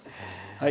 はい。